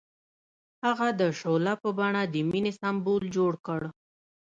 هغه د شعله په بڼه د مینې سمبول جوړ کړ.